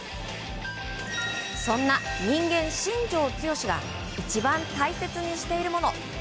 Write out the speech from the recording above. そんな人間・新庄剛志が一番大切にしているもの。